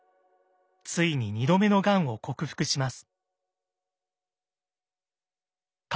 ついに２度目のがんを克服します。